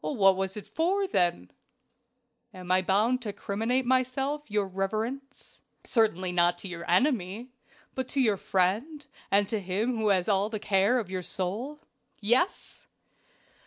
"What was it for then?" "Am I bound to criminate myself, your reverence?" "Certainly not to your enemy! but to your friend, and to him who has the care of your soul yes!"